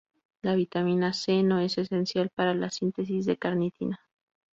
La vitamina C no es esencial para la síntesis de carnitina.